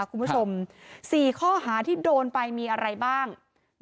๔ข้อหาที่โดนไปมีอะไรบ้าง